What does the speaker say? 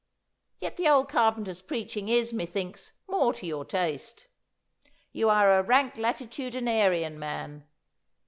Yet the old carpenter's preaching is, methinks, more to your taste. You are a rank latitudinarian, man.